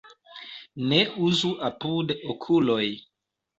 Ne uzu apud okuloj.